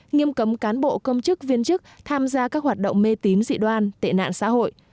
nghiêm cấm cán bộ công chức viên chức tham gia các hoạt động mê tín dị đoan tệ nạn xã hội